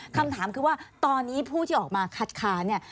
คำถามคือว่าตอนนี้ผู้ที่ออกมาคัดค้านเนี่ย